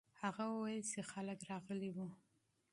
هغه وویل چې خلک راغلي وو.